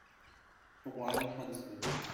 The wild huntsman.